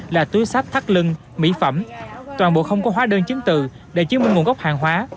là túi sách thắt lưng mỹ phẩm toàn bộ không có hóa đơn chứng từ để chứng minh nguồn gốc hàng hóa